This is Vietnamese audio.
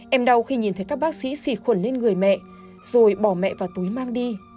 em đau khi nhìn thấy các bác sĩ xịt khuẩn lên người mẹ rồi bỏ mẹ vào túi mang đi